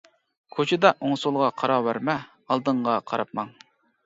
كوچىدا ئوڭ-سولغا قاراۋەرمە، ئالدىڭغا قاراپ ماڭ.